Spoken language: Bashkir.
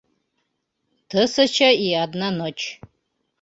ТЫСЯЧА И ОДНА НОЧЬ